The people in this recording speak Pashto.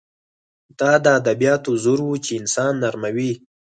دا د ادبیاتو زور و چې انسان نرموي